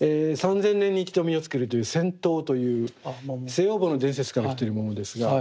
３，０００年に１度実をつけるという仙桃という西王母の伝説から来てるものですが。